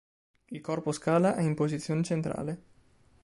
Il corpo scala è in posizione centrale.